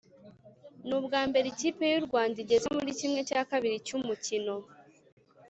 Nubwambere ikipe yurwanda igeze murikimwe cyakabiri cyumukino